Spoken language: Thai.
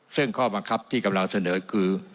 ซึ่งข้อบังคับที่กำลังเสนอคือ